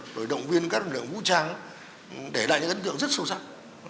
rồi động viên các lực lượng vũ trang để lại những ấn tượng rất sâu sắc